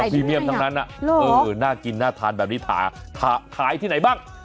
เฮ้ยขายได้ไหมอ่ะหรอน่ากินน่าทานแบบนี้ขายที่ไหนบ้าง